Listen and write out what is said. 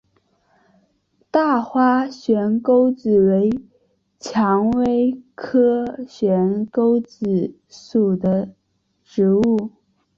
大花悬钩子为蔷薇科悬钩子属的植物。